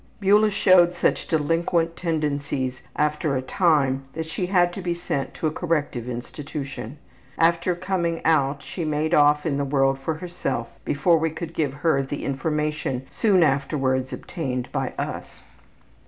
Beula showed such delinquent tendencies after a time that she had to be sent to a corrective institution. After coming out she made off in the world for herself before we could give her the information soon afterwards obtained by us.